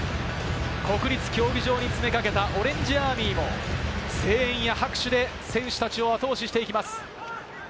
国立競技場に詰めかけたオレンジアーミーも声援や拍手で選手たちを後押ししていきます。